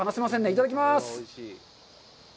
いただきます！